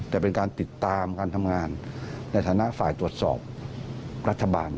แต่เป็นการติดตามการทำงานในฐานะฝ่ายตรวจสอบรัฐบาล